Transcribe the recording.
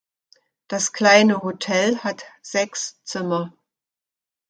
Das kleine Hotel hat sechs Zimmer.